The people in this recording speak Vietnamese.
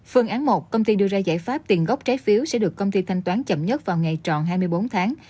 phương án một công ty đưa ra giải pháp tiền gốc trái phiếu sẽ được công ty thanh toán chậm nhất vào ngày tròn hai mươi bốn tháng